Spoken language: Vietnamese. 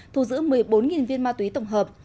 thu giữ một mươi bốn viên ma túy tổng hợp